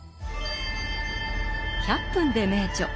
「１００分ｄｅ名著」